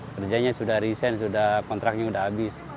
kerjanya sudah risen sudah kontraknya sudah habis